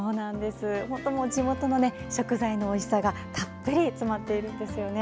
地元の食材のおいしさがたっぷり詰まっているんですよね。